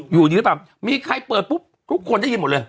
อยู่ดีหรือเปล่ามีใครเปิดปุ๊บทุกคนได้ยินหมดเลย